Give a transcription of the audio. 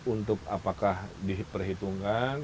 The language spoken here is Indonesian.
untuk apakah diperhitungkan